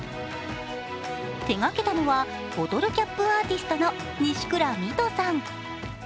手がけたのは、ボトルキャップアーティストの西倉ミトさん。